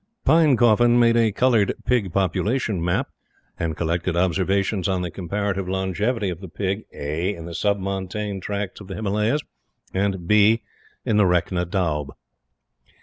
Pinecoffin made a colored Pig population map, and collected observations on the comparative longevity of the Pig (a) in the sub montane tracts of the Himalayas, and (b) in the Rechna Doab.